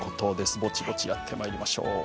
ぼちぼちやってまいりましょう。